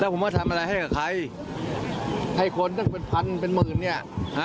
แล้วผมว่าทำอะไรให้กับใครให้คนแต่จะเป็นพันหมื่นเนี่ย